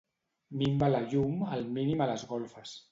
Minva la llum al mínim a les golfes.